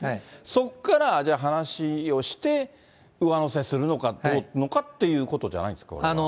そこから、じゃあ、話をして、上乗せするのかどうなのかっていうことじゃないんですかね。